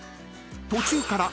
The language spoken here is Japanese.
［途中から］